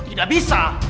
lo tidak bisa